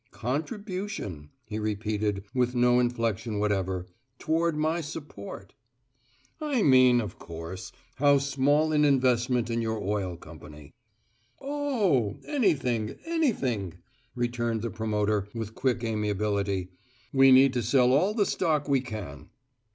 "`Contribution,'" he repeated, with no inflection whatever. "`Toward my support.'" "I mean, of course, how small an investment in your oil company." "Oh, anything, anything," returned the promoter, with quick amiability. "We need to sell all the stock we can."